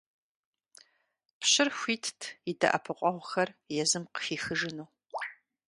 Пщыр хуитт и дэӀэпыкъуэгъухэр езым къыхихыжыну.